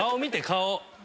顔。